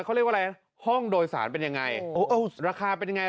เขาเรียกว่าอะไรห้องโดยสารเป็นยังไงโอ้เออราคาเป็นยังไง